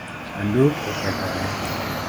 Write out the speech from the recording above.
Sanduk okethore?